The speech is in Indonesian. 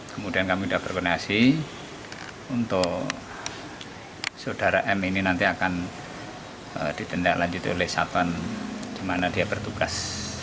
kemudian kami sudah berkenasi untuk saudara m ini nanti akan ditindak lanjut oleh satuan di mana dia bertugas